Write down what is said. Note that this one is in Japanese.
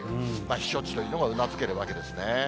避暑地というのもうなずけるわけですね。